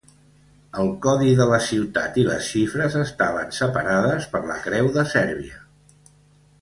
El codi de la ciutat i les xifres estaven separades per la Creu de Sèrbia.